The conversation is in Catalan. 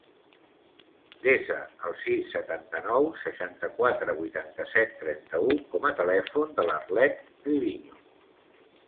Desa el sis, setanta-nou, seixanta-quatre, vuitanta-set, trenta-u com a telèfon de l'Arlet Triviño.